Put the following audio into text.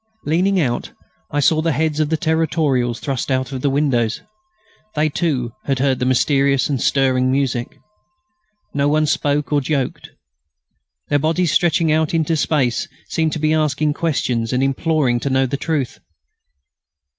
Leaning out, I saw the heads of the Territorials thrust out of the windows. They, too, had heard the mysterious and stirring music. No one spoke or joked. Their bodies, stretching out into space, seemed to be asking questions and imploring to know the truth.